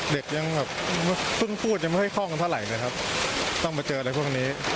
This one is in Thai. เด็กยังแบบเพิ่งพูดยังไม่ค่อยคล่องกันเท่าไหร่นะครับต้องมาเจออะไรพวกนี้